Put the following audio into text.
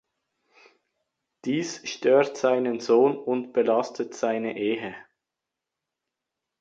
Dies stört seinen Sohn und belastet seine Ehe.